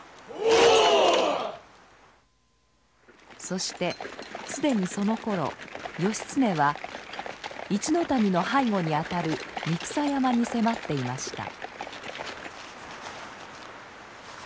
そして既にそのころ義経は一ノ谷の背後にあたる三草山に迫っていました。